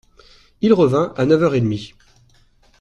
Il revint à neuf heures et demie.